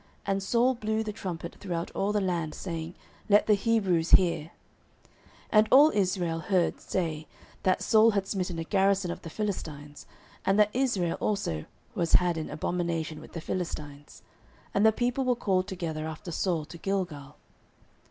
And Saul blew the trumpet throughout all the land, saying, Let the Hebrews hear. 09:013:004 And all Israel heard say that Saul had smitten a garrison of the Philistines, and that Israel also was had in abomination with the Philistines. And the people were called together after Saul to Gilgal.